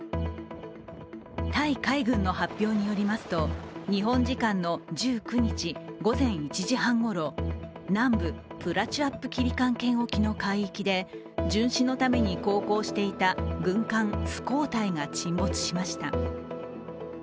タイ海軍の発表によりますと日本時間の１９日午前１時半ごろ、南部プラチュアップキリカン県沖の海域で巡視のために航行していた軍艦「スコータイ」が沈没しました。